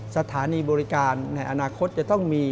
สถานีบริการในอนาคตจะต้องมี